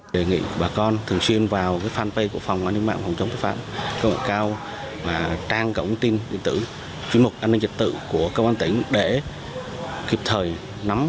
đề nghị bà con thường xuyên vào fanpage của phòng an ninh mạng phòng chống tội phạm